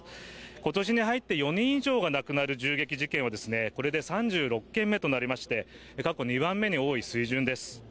今年に入って４人以上が亡くなる銃撃事件はこれで３６件目となりまして過去２番目に多い水準です。